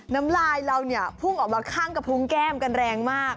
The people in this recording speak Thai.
น้ำลายเราเนี่ยพุ่งออกมาข้างกระพุงแก้มกันแรงมาก